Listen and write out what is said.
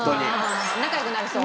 仲良くなれそう？